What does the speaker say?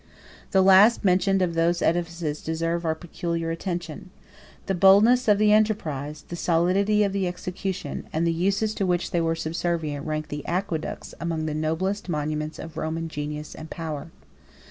The last mentioned of those edifices deserve our peculiar attention. The boldness of the enterprise, the solidity of the execution, and the uses to which they were subservient, rank the aqueducts among the noblest monuments of Roman genius and power.